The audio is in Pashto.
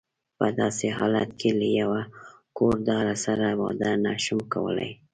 په داسې حالت کې له یوه کور داره سره واده نه شم کولای.